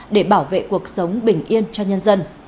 để bảo vệ cuộc sống bình yên cho nhân dân